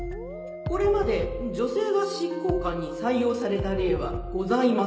これまで女性が執行官に採用された例はございません。